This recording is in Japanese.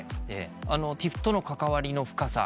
ＴＩＦとの関わりの深さ。